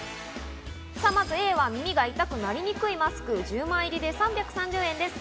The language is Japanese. まずＡは、「耳が痛くなりにくいマスク」、１０枚入りで３３０円です。